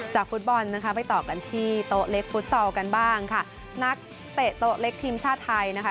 ฟุตบอลนะคะไปต่อกันที่โต๊ะเล็กฟุตซอลกันบ้างค่ะนักเตะโต๊ะเล็กทีมชาติไทยนะคะ